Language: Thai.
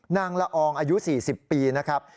ละอองอายุ๔๐ปีนะครับ